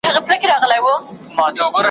سهار وختی مي تقریباً څلور کیلومیتره قدم وواهه ,